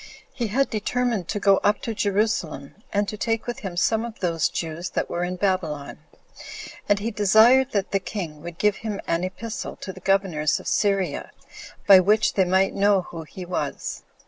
He had determined to go up to Jerusalem, and to take with him some of those Jews that were in Babylon; and he desired that the king would give him an epistle to the governors of Syria, by which they might know who he was.